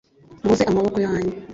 muhuze amaboko yanyu